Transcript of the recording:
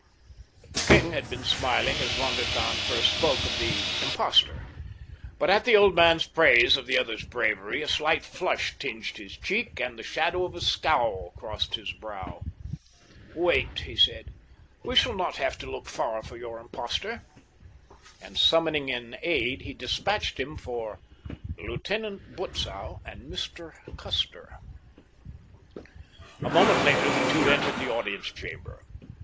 The king had been smiling as Von der Tann first spoke of the "impostor," but at the old man's praise of the other's bravery a slight flush tinged his cheek, and the shadow of a scowl crossed his brow. "Wait," he said, "we shall not have to look far for your 'impostor,'" and summoning an aide he dispatched him for "Lieutenant Butzow and Mr. Custer." A moment later the two entered the audience chamber.